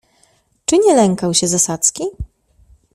"Czy nie lękał się zasadzki?"